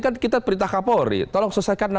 kan kita perintah kapolri tolong selesaikan